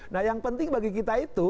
nah yang penting bagi kita itu